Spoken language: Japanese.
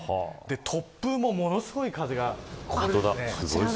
突風もものすごい風が。